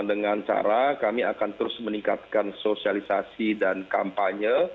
dengan cara kami akan terus meningkatkan sosialisasi dan kampanye